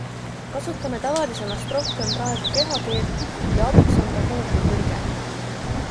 Kasutame tavalisemast rohkem praegu kehakeelt ja abiks on ka Google'i tõlge.